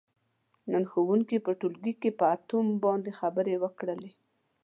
نن ښوونکي په ټولګي کې په اتوم باندې خبرې وکړلې.